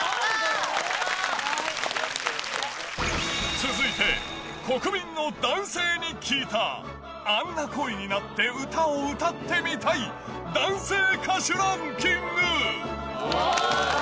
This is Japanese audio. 続いて、国民の男性に聞いた、あんな声になって歌を歌ってみたい男性歌手ランキング。